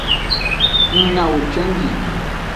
Ng nawo cenji.